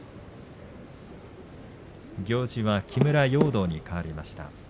行司は木村容堂にかわりました。